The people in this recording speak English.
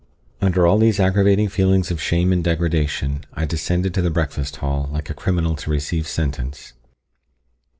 Under all these aggravating feelings of shame and degradation, I descended to the breakfast hall, like a criminal to receive sentence.